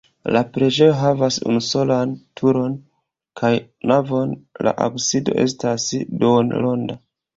La preĝejo havas unusolan turon kaj navon, la absido estas duonronda.